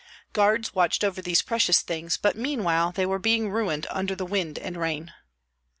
Guards watched over these precious things, but meanwhile they were being ruined under the wind and rain.